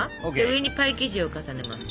上にパイ生地を重ねます。